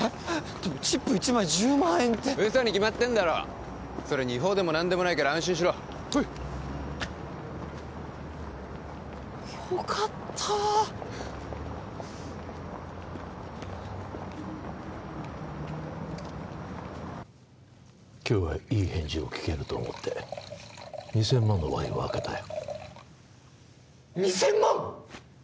でもチップ１枚１０万円って嘘に決まってんだろそれに違法でも何でもないから安心しろほいっよかった今日はいい返事を聞けると思って２千万のワインを開けたよ２千万！？